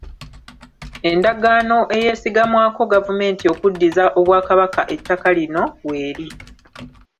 Endagaano eyeesigamwako gavumenti okuddiza Obwakabaka ettaka lino w’eri.